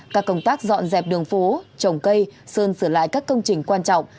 các công tác dọn dẹp đường phố trồng cây sơn sửa lại các công trình quan trọng